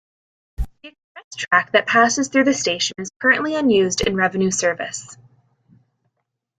The express track that passes through the station is currently unused in revenue service.